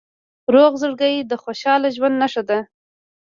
روغ زړګی د خوشحال ژوند نښه ده.